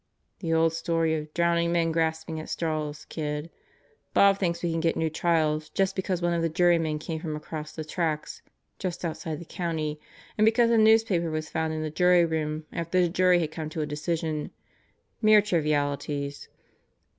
"The old story of drowning men grasping at straws, kid. Bob thinks we can get new trials just because one of the jurymen came from across the tracks just outside the county, and be cause a newspaper was found in the jury room after the jury had come to a decision. Mere trivialities."